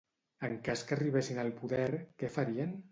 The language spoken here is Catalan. En cas que arribessin al poder, què farien?